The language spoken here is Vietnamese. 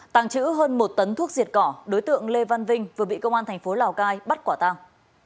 tàng trữ hơn một tấn thuốc diệt cỏ đối tượng lê văn vinh vừa bị công an thành phố lào cai bắt quả tàng